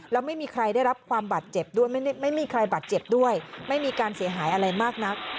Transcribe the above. แล้วไม่มีใครได้รับความบาดเจ็บด้วยไม่มีใครบาดเจ็บด้วยไม่มีการเสียหายอะไรมากนัก